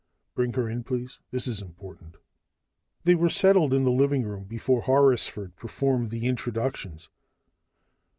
"Bring her in, please. This is important." They were settled in the living room before Horrisford performed the introductions.